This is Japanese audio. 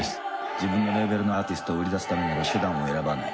自分のレベルのアーティストを売り出すためには手段は選ばない。